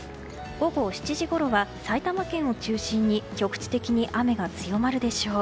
午後５時ごろは埼玉県を中心に局地的に雨が強まるでしょう。